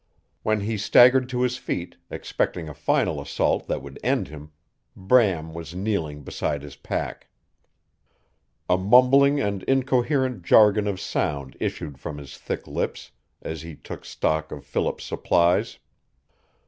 When he staggered to his feet, expecting a final assault that would end him, Bram was kneeling beside his pack. A mumbling and incoherent jargon of sound issued from his thick lips as he took stock of Philip's supplies.